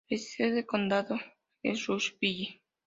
La sede de condado es Rushville.